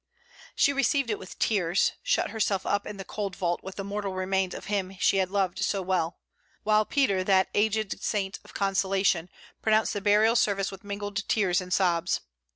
She received it with tears, shut herself up in the cold vault with the mortal remains of him she had loved so well; while Peter, that aged saint of consolation, pronounced the burial service with mingled tears and sobs.